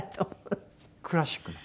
クラシックの？